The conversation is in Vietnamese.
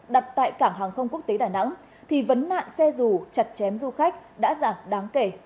đặt tại cảng hàng không quốc tế đà nẵng thì vấn nạn xe dù chặt chém du khách đã giảm đáng kể